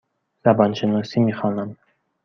زبان شناسی می خوانم.